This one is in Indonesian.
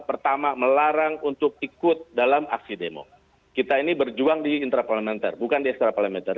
pertama melarang untuk ikut dalam aksi demo kita ini berjuang di intraparlamenter bukan di ekstra parliameter